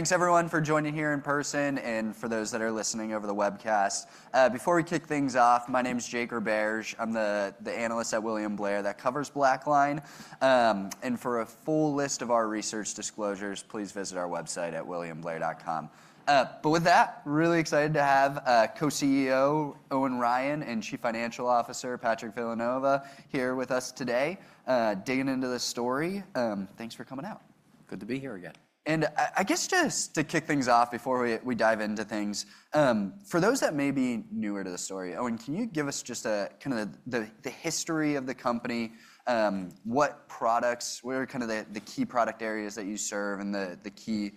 Thanks, everyone, for joining here in person, and for those that are listening over the webcast. Before we kick things off, my name is Jake Roberge. I'm the analyst at William Blair that covers BlackLine. For a full list of our research disclosures, please visit our website at williamblair.com. With that, really excited to have co-CEO Owen Ryan and Chief Financial Officer Patrick Villanova here with us today digging into this story. Thanks for coming out. Good to be here again. I guess just to kick things off before we dive into things, for those that may be newer to the story, Owen, can you give us just kind of the history of the company, what products, what are kind of the key product areas that you serve, and the key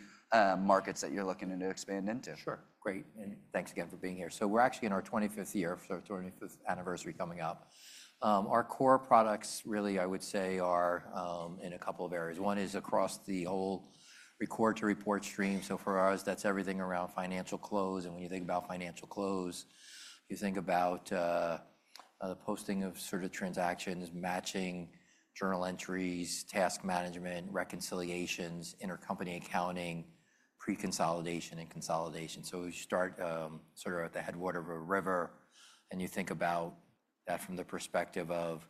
markets that you're looking to expand into? Sure. Great. And thanks again for being here. We're actually in our 25th year, so 25th anniversary coming up. Our core products, really, I would say, are in a couple of areas. One is across the whole record-to-report stream. For us, that's everything around financial close. When you think about financial close, you think about the posting of sort of transactions, matching journal entries, task management, reconciliations, intercompany accounting, pre-consolidation, and consolidation. You start sort of at the headwater of a river, and you think about that from the perspective of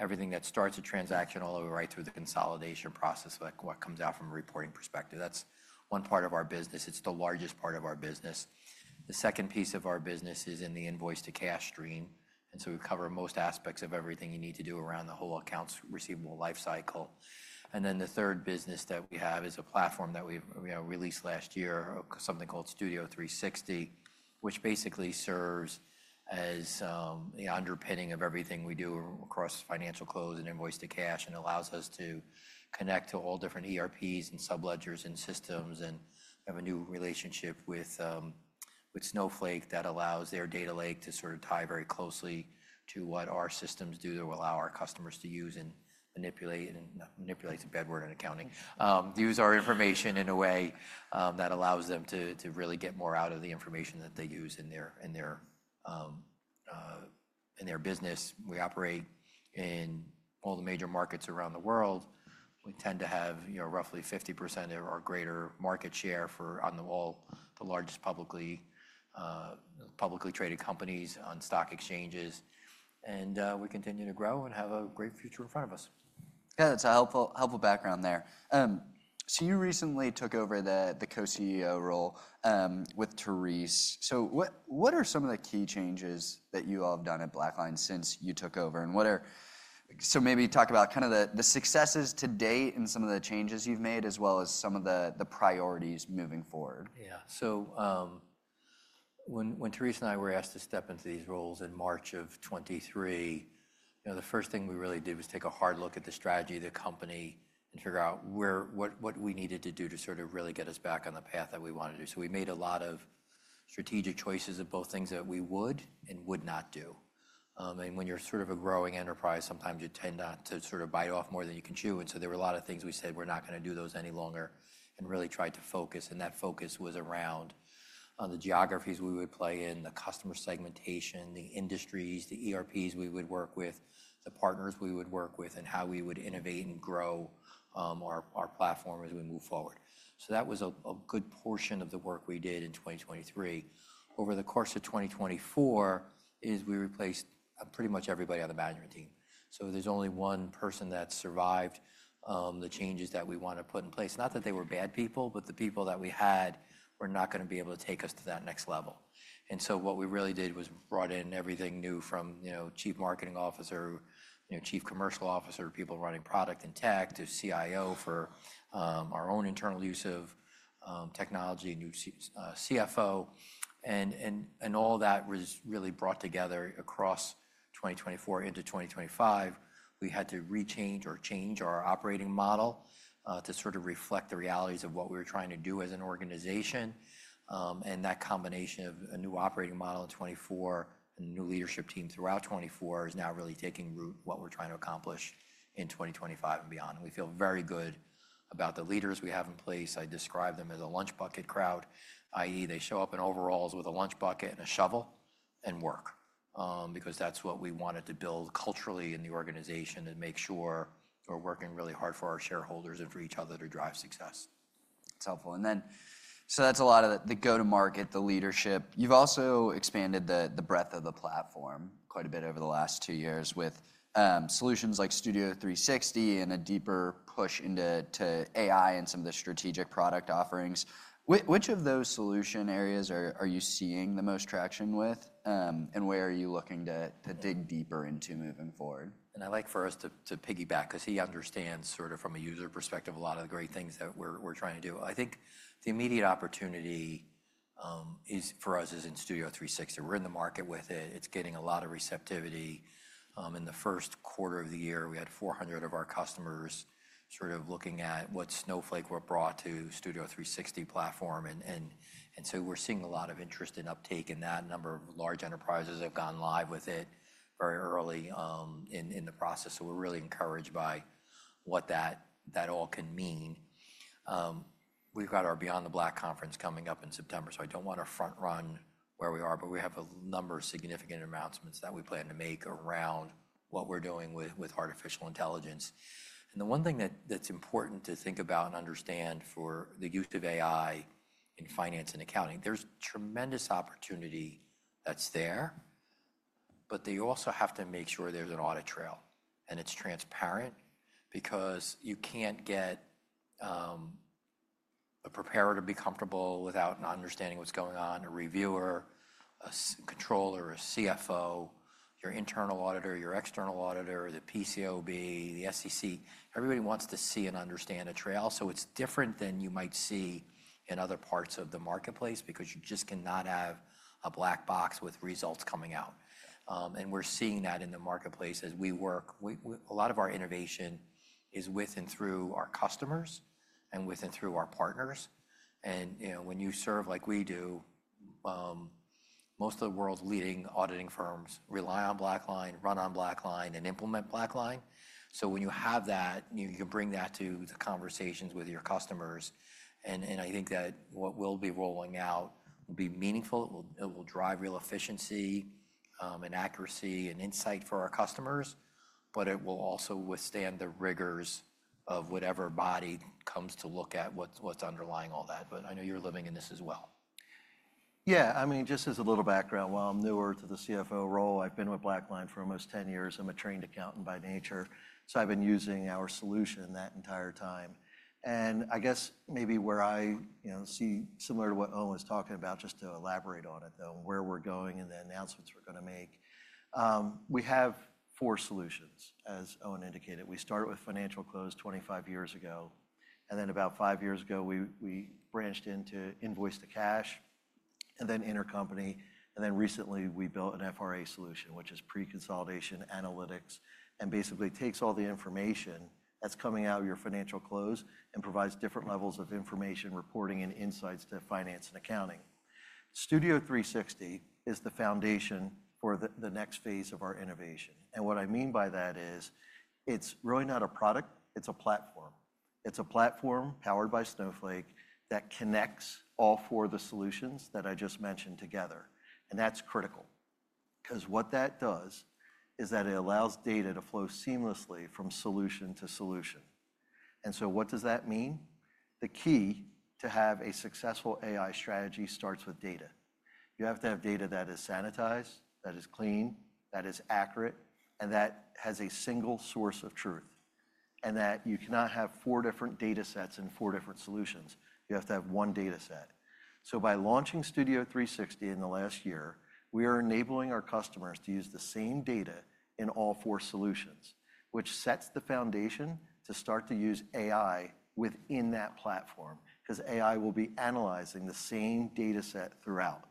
everything that starts a transaction all the way right through the consolidation process, what comes out from a reporting perspective. That's one part of our business. It's the largest part of our business. The second piece of our business is in the invoice-to-cash stream. We cover most aspects of everything you need to do around the whole accounts receivable life cycle. The third business that we have is a platform that we released last year, something called Studio360, which basically serves as the underpinning of everything we do across financial close and invoice-to-cash, and allows us to connect to all different ERPs and subledgers and systems. We have a new relationship with Snowflake that allows their data lake to sort of tie very closely to what our systems do to allow our customers to use and manipulate the bedwater and accounting. Use our information in a way that allows them to really get more out of the information that they use in their business. We operate in all the major markets around the world. We tend to have roughly 50% or greater market share on all the largest publicly traded companies on stock exchanges. We continue to grow and have a great future in front of us. Yeah, that's a helpful background there. You recently took over the co-CEO role with Therese. What are some of the key changes that you all have done at BlackLine since you took over? Maybe talk about kind of the successes to date and some of the changes you've made, as well as some of the priorities moving forward. Yeah. When Therese and I were asked to step into these roles in March of 2023, the first thing we really did was take a hard look at the strategy of the company and figure out what we needed to do to sort of really get us back on the path that we wanted to. We made a lot of strategic choices of both things that we would and would not do. When you're sort of a growing enterprise, sometimes you tend not to sort of bite off more than you can chew. There were a lot of things we said, we're not going to do those any longer, and really tried to focus. That focus was around the geographies we would play in, the customer segmentation, the industries, the ERPs we would work with, the partners we would work with, and how we would innovate and grow our platform as we move forward. That was a good portion of the work we did in 2023. Over the course of 2024, we replaced pretty much everybody on the management team. There is only one person that survived the changes that we want to put in place. Not that they were bad people, but the people that we had were not going to be able to take us to that next level. What we really did was brought in everything new from Chief Marketing Officer, Chief Commercial Officer, people running product and tech, to CIO for our own internal use of technology, new CFO. All that was really brought together across 2024 into 2025. We had to rechange or change our operating model to sort of reflect the realities of what we were trying to do as an organization. That combination of a new operating model in 2024 and a new leadership team throughout 2024 is now really taking root, what we're trying to accomplish in 2025 and beyond. We feel very good about the leaders we have in place. I describe them as a lunch bucket crowd, i.e., they show up in overalls with a lunch bucket and a shovel and work, because that's what we wanted to build culturally in the organization and make sure we're working really hard for our shareholders and for each other to drive success. That's helpful. That is a lot of the go-to-market, the leadership. You've also expanded the breadth of the platform quite a bit over the last two years with solutions like Studio360 and a deeper push into AI and some of the strategic product offerings. Which of those solution areas are you seeing the most traction with, and where are you looking to dig deeper into moving forward? I'd like for us to piggyback, because he understands sort of from a user perspective a lot of the great things that we're trying to do. I think the immediate opportunity for us is in Studio360. We're in the market with it. It's getting a lot of receptivity. In the first quarter of the year, we had 400 of our customers sort of looking at what Snowflake brought to Studio360 platform. We're seeing a lot of interest and uptake in that. A number of large enterprises have gone live with it very early in the process. We're really encouraged by what that all can mean. We've got our Beyond the Black conference coming up in September. I do not want to front-run where we are, but we have a number of significant announcements that we plan to make around what we are doing with artificial intelligence. The one thing that is important to think about and understand for the use of AI in finance and accounting, there is tremendous opportunity that is there, but they also have to make sure there is an audit trail. It is transparent, because you cannot get a preparer to be comfortable without not understanding what is going on, a reviewer, a controller, a CFO, your internal auditor, your external auditor, the PCAOB, the SEC. Everybody wants to see and understand a trail. It is different than you might see in other parts of the marketplace, because you just cannot have a black box with results coming out. We are seeing that in the marketplace as we work. A lot of our innovation is with and through our customers and with and through our partners. When you serve like we do, most of the world's leading auditing firms rely on BlackLine, run on BlackLine, and implement BlackLine. When you have that, you can bring that to the conversations with your customers. I think that what we'll be rolling out will be meaningful. It will drive real efficiency and accuracy and insight for our customers, but it will also withstand the rigors of whatever body comes to look at what's underlying all that. I know you're living in this as well. Yeah. I mean, just as a little background, while I'm newer to the CFO role, I've been with BlackLine for almost 10 years. I'm a trained accountant by nature. So I've been using our solution that entire time. I guess maybe where I see similar to what Owen was talking about, just to elaborate on it, though, and where we're going and the announcements we're going to make, we have four solutions, as Owen indicated. We started with financial close 25 years ago. About five years ago, we branched into invoice-to-cash and then intercompany. Recently, we built an FRA solution, which is pre-consolidation analytics, and basically takes all the information that's coming out of your financial close and provides different levels of information, reporting, and insights to finance and accounting. Studio360 is the foundation for the next phase of our innovation. What I mean by that is it's really not a product. It's a platform. It's a platform powered by Snowflake that connects all four of the solutions that I just mentioned together. That is critical, because what that does is that it allows data to flow seamlessly from solution to solution. What does that mean? The key to have a successful AI strategy starts with data. You have to have data that is sanitized, that is clean, that is accurate, and that has a single source of truth. You cannot have four different data sets and four different solutions. You have to have one data set. By launching Studio360 in the last year, we are enabling our customers to use the same data in all four solutions, which sets the foundation to start to use AI within that platform, because AI will be analyzing the same data set throughout.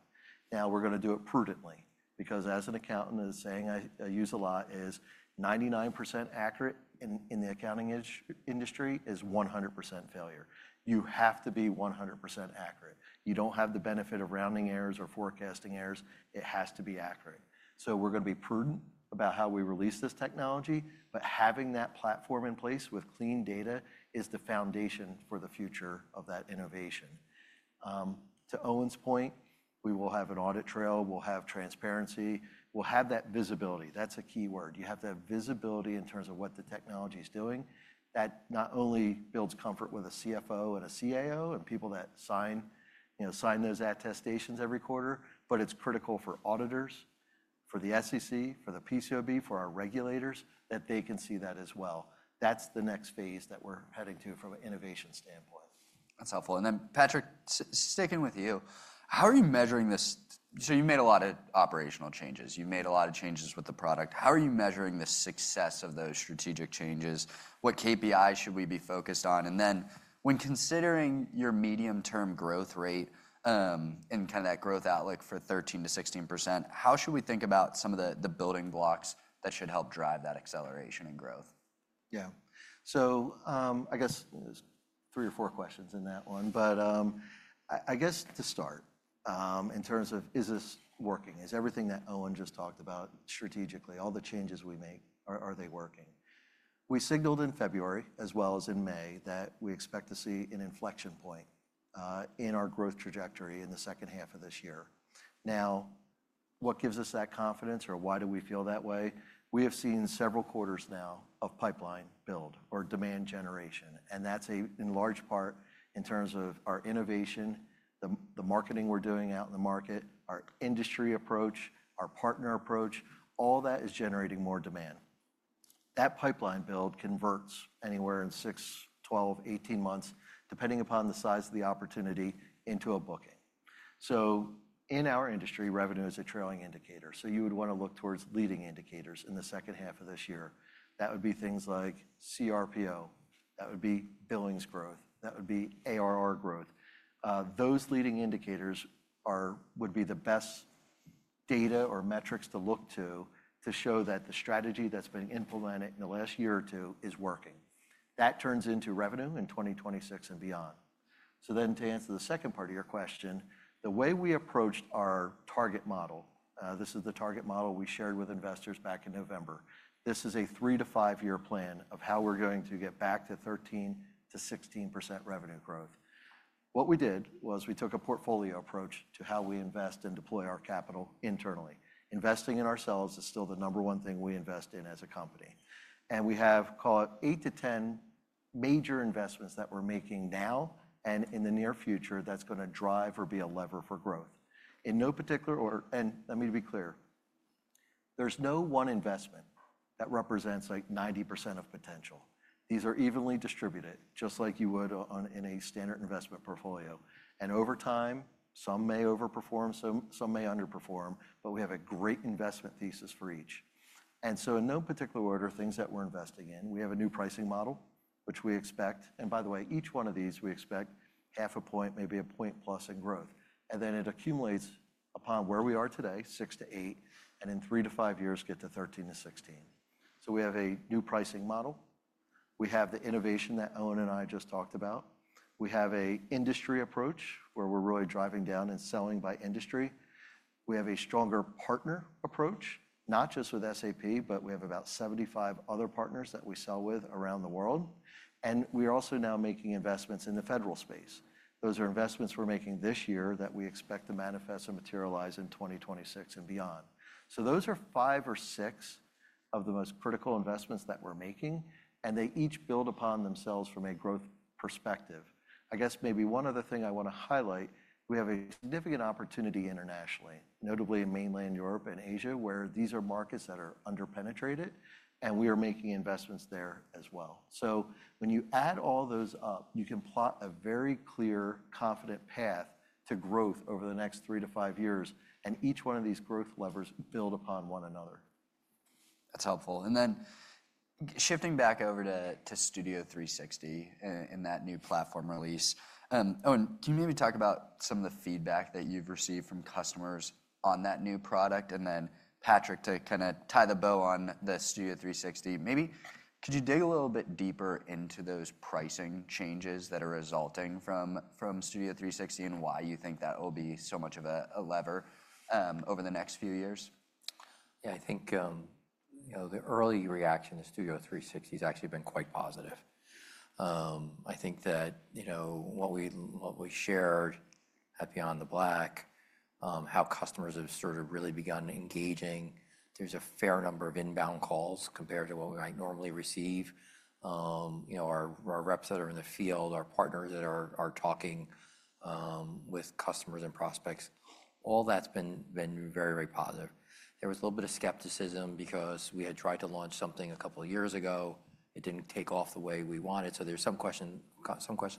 Now, we're going to do it prudently, because as an accountant is saying I use a lot, is 99% accurate in the accounting industry is 100% failure. You have to be 100% accurate. You don't have the benefit of rounding errors or forecasting errors. It has to be accurate. We're going to be prudent about how we release this technology. Having that platform in place with clean data is the foundation for the future of that innovation. To Owen's point, we will have an audit trail. We'll have transparency. We'll have that visibility. That's a key word. You have to have visibility in terms of what the technology is doing. That not only builds comfort with a CFO and a CAO and people that sign those attestations every quarter, but it's critical for auditors, for the SEC, for the PCAOB, for our regulators that they can see that as well. That's the next phase that we're heading to from an innovation standpoint. That's helpful. Patrick, sticking with you, how are you measuring this? You made a lot of operational changes. You made a lot of changes with the product. How are you measuring the success of those strategic changes? What KPIs should we be focused on? When considering your medium-term growth rate and kind of that growth outlook for 13%-16%, how should we think about some of the building blocks that should help drive that acceleration and growth? Yeah. I guess there are three or four questions in that one. I guess to start, in terms of is this working? Is everything that Owen just talked about strategically, all the changes we make, are they working? We signaled in February, as well as in May, that we expect to see an inflection point in our growth trajectory in the second half of this year. Now, what gives us that confidence, or why do we feel that way? We have seen several quarters now of pipeline build or demand generation. That is in large part in terms of our innovation, the marketing we are doing out in the market, our industry approach, our partner approach. All that is generating more demand. That pipeline build converts anywhere in six, 12, 18 months, depending upon the size of the opportunity, into a booking. In our industry, revenue is a trailing indicator. You would want to look towards leading indicators in the second half of this year. That would be things like CRPO. That would be billings growth. That would be ARR growth. Those leading indicators would be the best data or metrics to look to to show that the strategy that has been implemented in the last year or two is working. That turns into revenue in 2026 and beyond. To answer the second part of your question, the way we approached our target model, this is the target model we shared with investors back in November. This is a three- to five-year plan of how we are going to get back to 13%-16% revenue growth. What we did was we took a portfolio approach to how we invest and deploy our capital internally. Investing in ourselves is still the number one thing we invest in as a company. We have called eight-10 major investments that we're making now and in the near future that's going to drive or be a lever for growth. In no particular, and let me be clear, there's no one investment that represents like 90% of potential. These are evenly distributed, just like you would in a standard investment portfolio. Over time, some may overperform, some may underperform, but we have a great investment thesis for each. In no particular order, things that we're investing in, we have a new pricing model, which we expect. By the way, each one of these, we expect half a point, maybe a point plus in growth. It accumulates upon where we are today, six-eight, and in three-five years, get to 13-16. We have a new pricing model. We have the innovation that Owen and I just talked about. We have an industry approach where we're really driving down and selling by industry. We have a stronger partner approach, not just with SAP, but we have about 75 other partners that we sell with around the world. We are also now making investments in the federal space. Those are investments we're making this year that we expect to manifest and materialize in 2026 and beyond. Those are five or six of the most critical investments that we're making. They each build upon themselves from a growth perspective. I guess maybe one other thing I want to highlight, we have a significant opportunity internationally, notably in mainland Europe and Asia, where these are markets that are underpenetrated. We are making investments there as well. When you add all those up, you can plot a very clear, confident path to growth over the next three to five years. Each one of these growth levers build upon one another. That's helpful. Then shifting back over to Studio360 and that new platform release, Owen, can you maybe talk about some of the feedback that you've received from customers on that new product? Then Patrick, to kind of tie the bow on the Studio360, maybe could you dig a little bit deeper into those pricing changes that are resulting from Studio360 and why you think that will be so much of a lever over the next few years? Yeah. I think the early reaction to Studio360 has actually been quite positive. I think that what we shared at Beyond the Black, how customers have sort of really begun engaging, there's a fair number of inbound calls compared to what we might normally receive. Our reps that are in the field, our partners that are talking with customers and prospects, all that's been very, very positive. There was a little bit of skepticism because we had tried to launch something a couple of years ago. It did not take off the way we wanted. There are some questions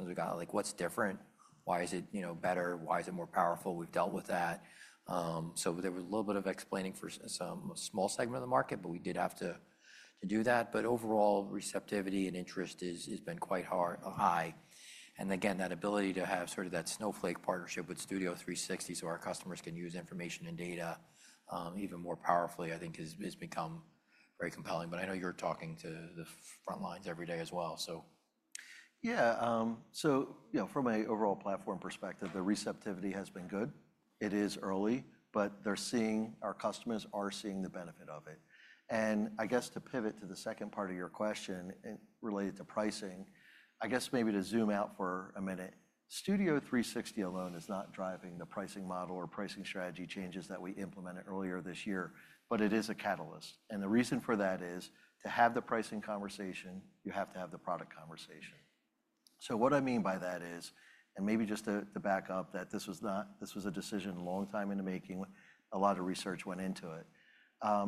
we got, like what's different? Why is it better? Why is it more powerful? We've dealt with that. There was a little bit of explaining for some small segment of the market, but we did have to do that. Overall, receptivity and interest has been quite high. That ability to have sort of that Snowflake partnership with Studio360 so our customers can use information and data even more powerfully, I think, has become very compelling. I know you're talking to the front lines every day as well, so. Yeah. From an overall platform perspective, the receptivity has been good. It is early, but our customers are seeing the benefit of it. I guess to pivot to the second part of your question related to pricing, maybe to zoom out for a minute, Studio360 alone is not driving the pricing model or pricing strategy changes that we implemented earlier this year, but it is a catalyst. The reason for that is to have the pricing conversation, you have to have the product conversation. What I mean by that is, and maybe just to back up, this was a decision a long time in the making, a lot of research went into it.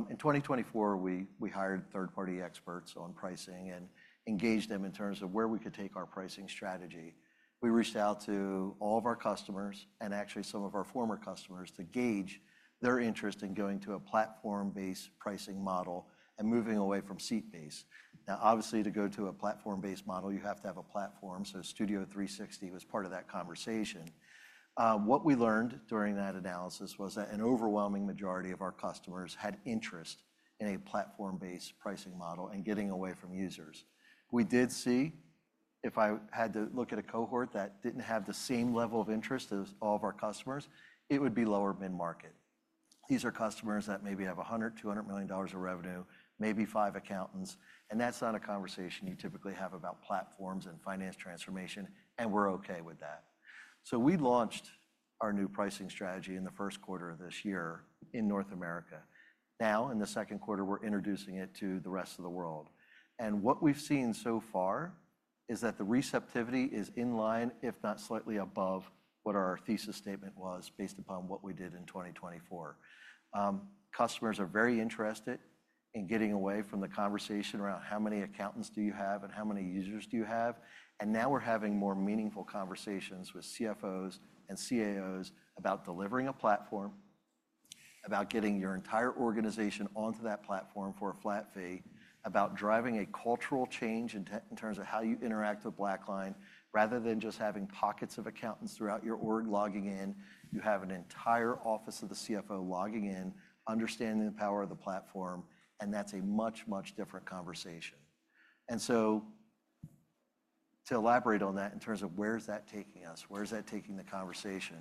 In 2024, we hired third-party experts on pricing and engaged them in terms of where we could take our pricing strategy. We reached out to all of our customers and actually some of our former customers to gauge their interest in going to a platform-based pricing model and moving away from seat base. Now, obviously, to go to a platform-based model, you have to have a platform. Studio360 was part of that conversation. What we learned during that analysis was that an overwhelming majority of our customers had interest in a platform-based pricing model and getting away from users. We did see if I had to look at a cohort that did not have the same level of interest as all of our customers, it would be lower mid-market. These are customers that maybe have $100 million-$200 million of revenue, maybe five accountants. That is not a conversation you typically have about platforms and finance transformation, and we are OK with that. We launched our new pricing strategy in the first quarter of this year in North America. Now, in the second quarter, we're introducing it to the rest of the world. What we've seen so far is that the receptivity is in line, if not slightly above, what our thesis statement was based upon what we did in 2024. Customers are very interested in getting away from the conversation around how many accountants do you have and how many users do you have. Now we're having more meaningful conversations with CFOs and CAOs about delivering a platform, about getting your entire organization onto that platform for a flat fee, about driving a cultural change in terms of how you interact with BlackLine, rather than just having pockets of accountants throughout your org logging in. You have an entire office of the CFO logging in, understanding the power of the platform. That is a much, much different conversation. To elaborate on that in terms of where is that taking us, where is that taking the conversation?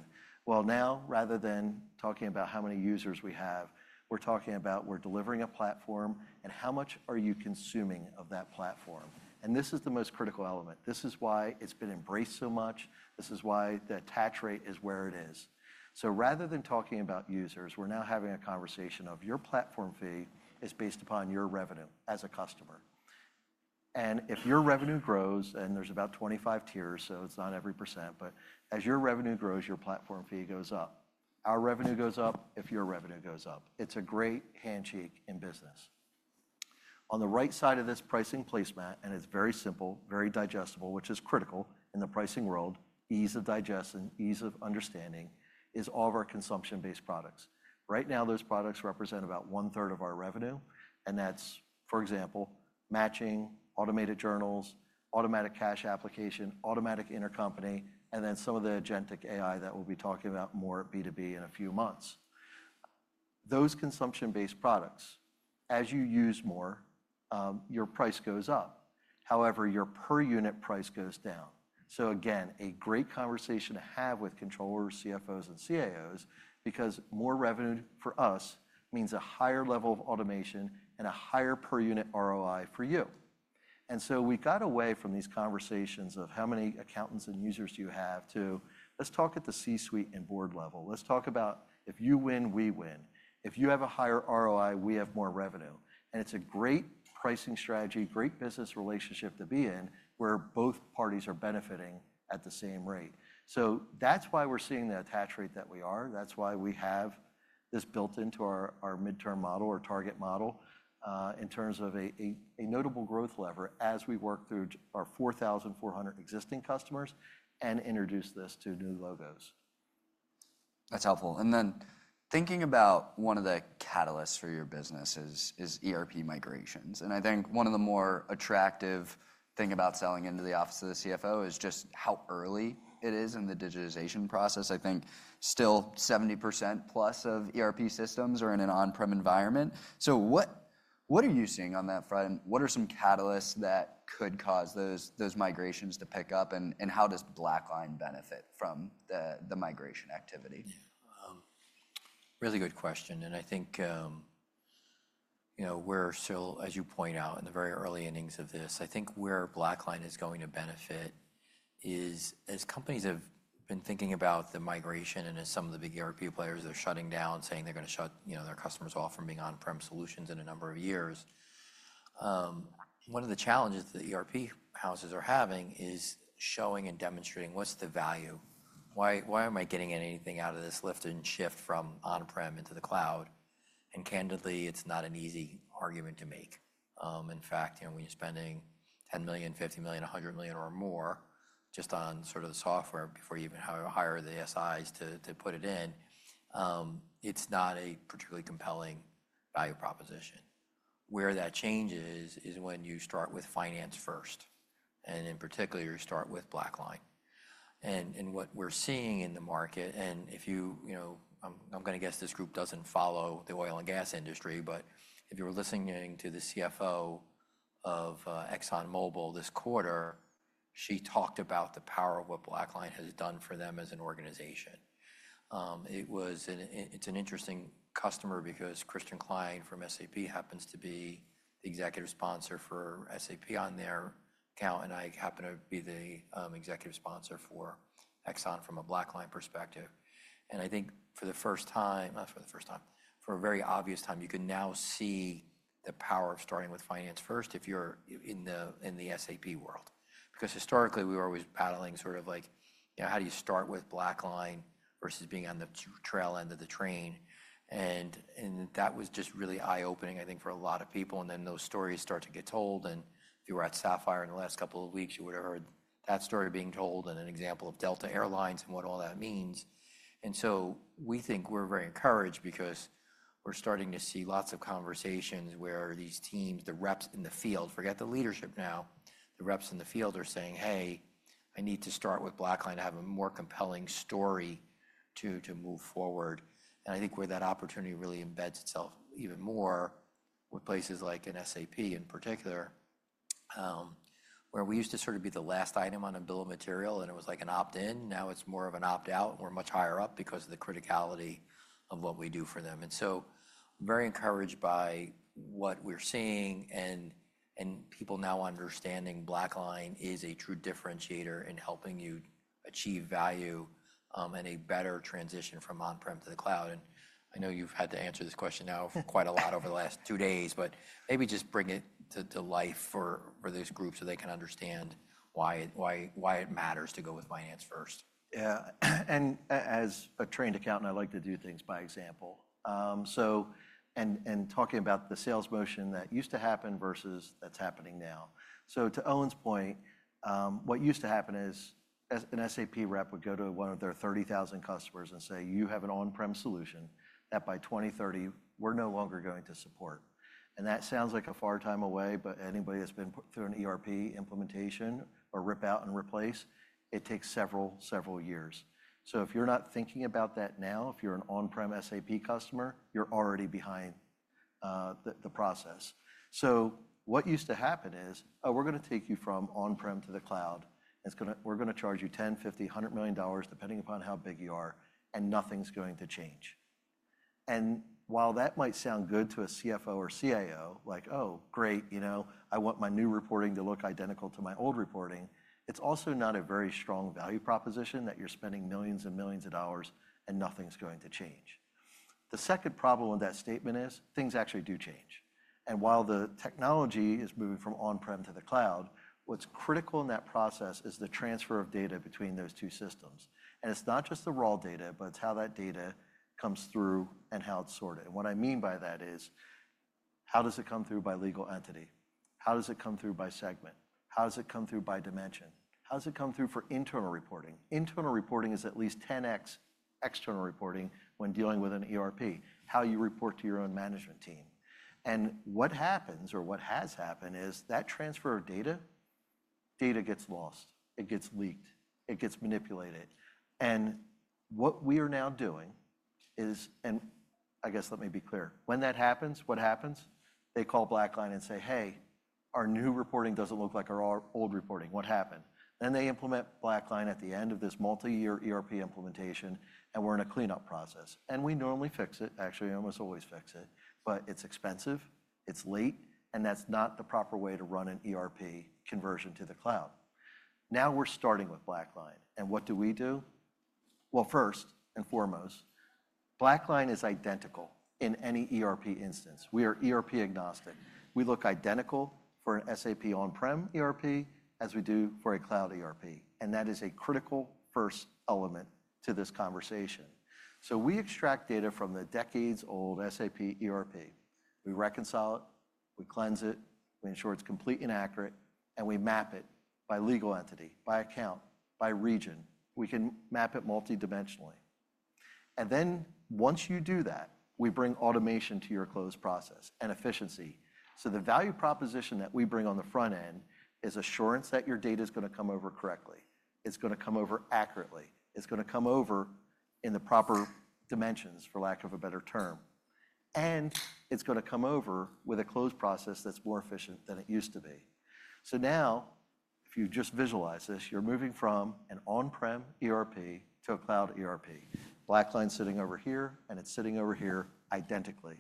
Now, rather than talking about how many users we have, we're talking about we're delivering a platform and how much are you consuming of that platform. This is the most critical element. This is why it's been embraced so much. This is why the tax rate is where it is. Rather than talking about users, we're now having a conversation of your platform fee is based upon your revenue as a customer. If your revenue grows, and there's about 25 tiers, so it's not every percent, but as your revenue grows, your platform fee goes up. Our revenue goes up if your revenue goes up. It's a great handshake in business. On the right side of this pricing placemat, and it's very simple, very digestible, which is critical in the pricing world, ease of digestion, ease of understanding, is all of our consumption-based products. Right now, those products represent about one-third of our revenue. That's, for example, matching, automated journals, automatic cash application, automatic intercompany. And then some of the agentic AI that we'll be talking about more B2B in a few months. Those consumption-based products, as you use more, your price goes up. However, your per-unit price goes down. Again, a great conversation to have with controllers, CFOs, and CAOs, because more revenue for us means a higher level of automation and a higher per-unit ROI for you. We got away from these conversations of how many accountants and users do you have to let's talk at the C-suite and board level. Let's talk about if you win, we win. If you have a higher ROI, we have more revenue. It is a great pricing strategy, great business relationship to be in where both parties are benefiting at the same rate. That is why we are seeing the attach rate that we are. That is why we have this built into our midterm model or target model in terms of a notable growth lever as we work through our 4,400 existing customers and introduce this to new logos. That's helpful. Then thinking about one of the catalysts for your business is ERP migrations. I think one of the more attractive things about selling into the office of the CFO is just how early it is in the digitization process. I think still 70% plus of ERP systems are in an on-prem environment. What are you seeing on that front? What are some catalysts that could cause those migrations to pick up? How does BlackLine benefit from the migration activity? Really good question. I think we're still, as you point out, in the very early innings of this. I think where BlackLine is going to benefit is as companies have been thinking about the migration and as some of the big ERP players are shutting down, saying they're going to shut their customers off from being on-prem solutions in a number of years. One of the challenges that the ERP houses are having is showing and demonstrating what's the value. Why am I getting anything out of this lift and shift from on-prem into the cloud? Candidly, it's not an easy argument to make. In fact, when you're spending $10 million, $50 million, $100 million or more just on sort of the software before you even hire the SIs to put it in, it's not a particularly compelling value proposition. Where that changes is when you start with finance first. In particular, you start with BlackLine. What we're seeing in the market, and if you, I'm going to guess this group doesn't follow the oil and gas industry, but if you were listening to the CFO of ExxonMobil this quarter, she talked about the power of what BlackLine has done for them as an organization. It's an interesting customer because Christian Klein from SAP happens to be the executive sponsor for SAP on their account. I happen to be the executive sponsor for Exxon from a BlackLine perspective. I think for the first time, not for the first time, for a very obvious time, you can now see the power of starting with finance first if you're in the SAP world. Because historically, we were always battling sort of like how do you start with BlackLine versus being on the tail end of the train. That was just really eye-opening, I think, for a lot of people. Those stories start to get told. If you were at Sapphire in the last couple of weeks, you would have heard that story being told and an example of Delta Air Lines and what all that means. We think we're very encouraged because we're starting to see lots of conversations where these teams, the reps in the field, forget the leadership now, the reps in the field are saying, hey, I need to start with BlackLine to have a more compelling story to move forward. I think where that opportunity really embeds itself even more with places like in SAP in particular, where we used to sort of be the last item on a bill of material, and it was like an opt-in. Now it's more of an opt-out. We're much higher up because of the criticality of what we do for them. I'm very encouraged by what we're seeing and people now understanding BlackLine is a true differentiator in helping you achieve value and a better transition from on-prem to the cloud. I know you've had to answer this question now for quite a lot over the last two days, but maybe just bring it to life for this group so they can understand why it matters to go with finance first. Yeah. As a trained accountant, I like to do things by example. Talking about the sales motion that used to happen versus that's happening now. To Owen's point, what used to happen is an SAP rep would go to one of their 30,000 customers and say, you have an on-prem solution that by 2030, we're no longer going to support. That sounds like a far time away, but anybody that's been through an ERP implementation or rip out and replace, it takes several years. If you're not thinking about that now, if you're an on-prem SAP customer, you're already behind the process. What used to happen is, oh, we're going to take you from on-prem to the cloud. We're going to charge you $10 million, $50 million, $100 million depending upon how big you are, and nothing's going to change. While that might sound good to a CFO or CIO, like, oh, great, you know I want my new reporting to look identical to my old reporting, it's also not a very strong value proposition that you're spending millions and millions of dollars and nothing's going to change. The second problem with that statement is things actually do change. While the technology is moving from on-prem to the cloud, what's critical in that process is the transfer of data between those two systems. It's not just the raw data, but it's how that data comes through and how it's sorted. What I mean by that is how does it come through by legal entity? How does it come through by segment? How does it come through by dimension? How does it come through for internal reporting? Internal reporting is at least 10x external reporting when dealing with an ERP, how you report to your own management team. What happens or what has happened is that transfer of data, data gets lost. It gets leaked. It gets manipulated. What we are now doing is, and I guess let me be clear, when that happens, what happens? They call BlackLine and say, hey, our new reporting does not look like our old reporting. What happened? They implement BlackLine at the end of this multi-year ERP implementation, and we are in a cleanup process. We normally fix it, actually, almost always fix it, but it is expensive, it is late, and that is not the proper way to run an ERP conversion to the cloud. Now we are starting with BlackLine. What do we do? First and foremost, BlackLine is identical in any ERP instance. We are ERP agnostic. We look identical for an SAP on-prem ERP as we do for a cloud ERP. That is a critical first element to this conversation. We extract data from the decades-old SAP ERP. We reconcile it, we cleanse it, we ensure it's completely accurate, and we map it by legal entity, by account, by region. We can map it multidimensionally. Once you do that, we bring automation to your close process and efficiency. The value proposition that we bring on the front end is assurance that your data is going to come over correctly. It's going to come over accurately. It's going to come over in the proper dimensions, for lack of a better term. It's going to come over with a close process that's more efficient than it used to be. Now, if you just visualize this, you're moving from an on-prem ERP to a cloud ERP. BlackLine's sitting over here, and it's sitting over here identically.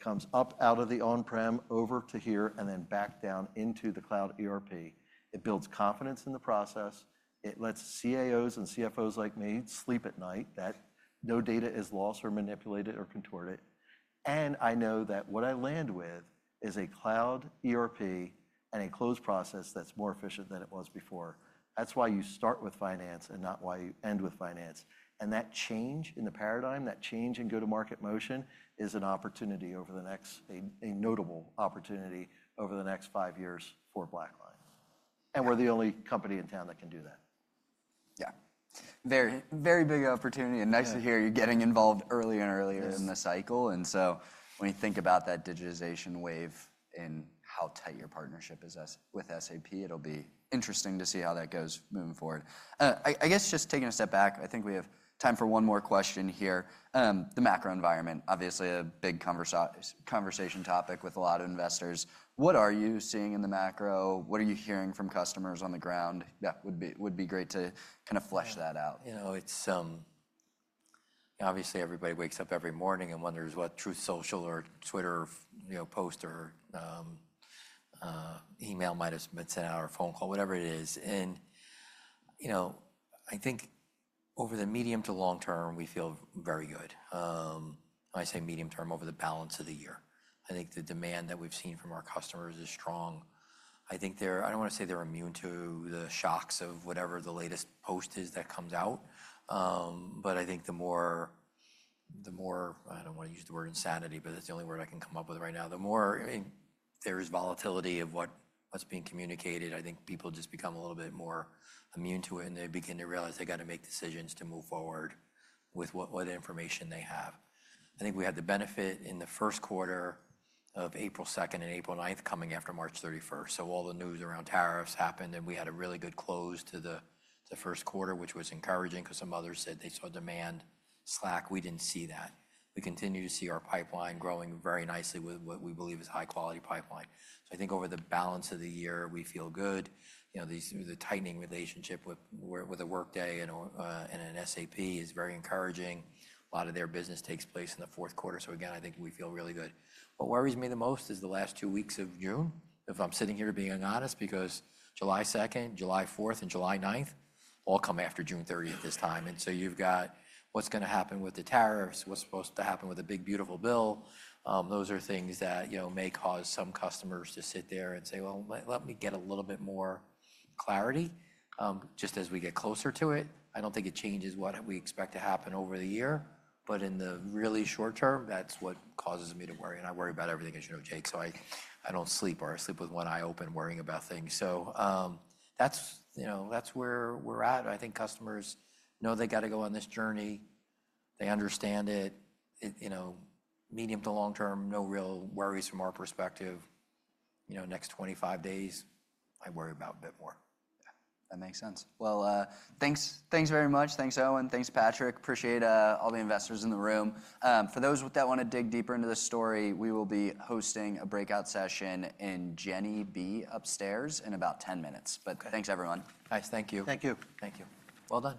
It comes up out of the on-prem over to here and then back down into the cloud ERP. It builds confidence in the process. It lets CAOs and CFOs like me sleep at night that no data is lost or manipulated or contorted. I know that what I land with is a cloud ERP and a closed process that's more efficient than it was before. That's why you start with finance and not why you end with finance. That change in the paradigm, that change in go-to-market motion is a notable opportunity over the next five years for BlackLine. We're the only company in town that can do that. Yeah. Very, very big opportunity. Nice to hear you're getting involved earlier and earlier in the cycle. When you think about that digitization wave and how tight your partnership is with SAP, it'll be interesting to see how that goes moving forward. I guess just taking a step back, I think we have time for one more question here. The macro environment, obviously a big conversation topic with a lot of investors. What are you seeing in the macro? What are you hearing from customers on the ground? That would be great to kind of flesh that out. You know, obviously, everybody wakes up every morning and wonders what Truth Social or Twitter post or email might have sent out or phone call, whatever it is. I think over the medium to long term, we feel very good. When I say medium term, over the balance of the year. I think the demand that we've seen from our customers is strong. I think they're, I don't want to say they're immune to the shocks of whatever the latest post is that comes out. I think the more, the more, I don't want to use the word insanity, but that's the only word I can come up with right now. The more there is volatility of what's being communicated, I think people just become a little bit more immune to it. They begin to realize they've got to make decisions to move forward with what information they have. I think we had the benefit in the first quarter of April 2nd and April 9th coming after March 31st. All the news around tariffs happened. We had a really good close to the first quarter, which was encouraging because some others said they saw demand slack. We did not see that. We continue to see our pipeline growing very nicely with what we believe is high-quality pipeline. I think over the balance of the year, we feel good. The tightening relationship with Workday and SAP is very encouraging. A lot of their business takes place in the fourth quarter. I think we feel really good. What worries me the most is the last two weeks of June, if I'm sitting here being honest, because July 2nd, July 4th, and July 9th all come after June 30th this time. You have what's going to happen with the tariffs, what's supposed to happen with the big beautiful bill. Those are things that may cause some customers to sit there and say, well, let me get a little bit more clarity just as we get closer to it. I don't think it changes what we expect to happen over the year. In the really short term, that's what causes me to worry. I worry about everything, as you know, Jake. I don't sleep, or I sleep with one eye open worrying about things. That's where we're at. I think customers know they've got to go on this journey. They understand it. Medium to long term, no real worries fr om our perspective. Next 25 days, I worry about a bit more. That makes sense. Thanks very much. Thanks, Owen. Thanks, Patrick. Appreciate all the investors in the room. For those that want to dig deeper into the story, we will be hosting a breakout session in Jenny B upstairs in about 10 minutes. Thanks, everyone. Nice. Thank you. Thank you. Thank you. Well done.